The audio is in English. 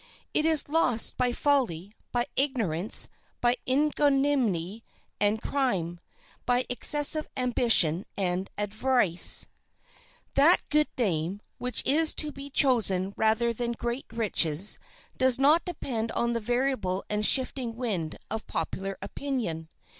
It is lost by folly, by ignorance, by ignominy and crime, by excessive ambition and avarice. That good name, which is to be chosen rather than great riches, does not depend on the variable and shifting wind of popular opinion.